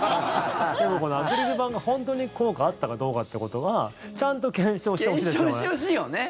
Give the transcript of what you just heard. でも、このアクリル板が本当に効果あったかどうかってことが検証してほしいよね。